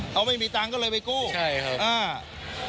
เขาไม่มีตังค์ก็เลยไปกู้ใช่ครับอ่า